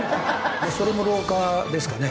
それも老化ですかね？